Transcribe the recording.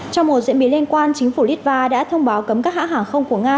trong một diễn biến liên quan chính phủ litva đã thông báo cấm các hãng hàng không của nga